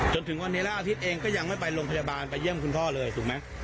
จนถึงวันนี้แล้วอาทิตย์เองก็ยังไม่ไปโรงพยาบาลไปเยี่ยมคุณพ่อเลยถูกไหม